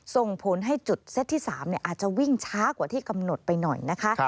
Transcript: ส่งผลให้จุดเซตที่๓อาจจะวิ่งช้ากว่าที่กำหนดไปหน่อยนะคะ